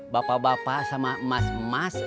bapak bapak sama emas emas